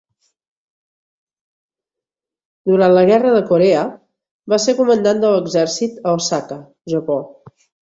Durant la Guerra de Corea va ser comandant de l'exèrcit a Osaka, Japó.